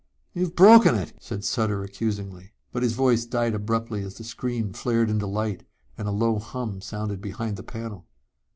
"You've broken it," said Sutter accusingly. But his voice died abruptly as the screen flared into light and a low hum sounded behind the panel.